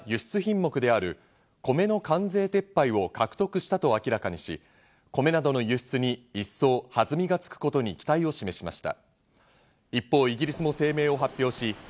また、世界的な和食ブームの中で重要な輸出品目である米の関税撤廃を獲得したと明らかにし、米などの輸出に一層、はずみがつくことに期待を示しました。